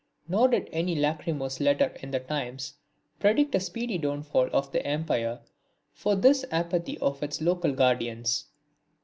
Nor did any lachrymose letter in the Times predict a speedy downfall of the Empire for this apathy of its local guardians.